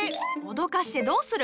脅かしてどうする！